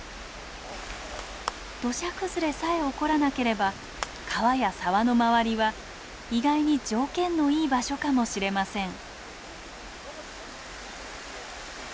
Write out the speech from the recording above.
土砂崩れさえ起こらなければ川や沢の周りは意外に条件のいい場所かもしれません。